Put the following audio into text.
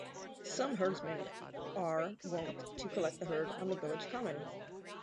Some herdsmen are wont to collect the herd on the village common.